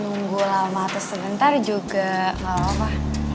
nunggu lama atau sebentar juga gak apa apa